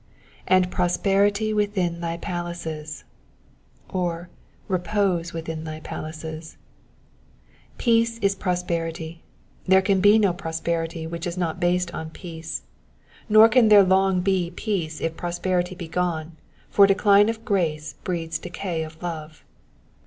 ^''And prosperity within thy palaces,''^ or "Repose within thy palaces." Peace is prosperity; there can be no prosperity which is not Digitized by VjOOQIC 432 EXPOSITIONS OF THE PSALMS. based on peace, nor can there long be peace if prosperity be gone, for decline of grace breeds decay of love.